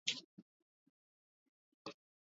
ghana ule aa namuuona yule kiongozi kidogo ame alilegea